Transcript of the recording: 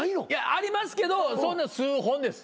ありますけど数本です。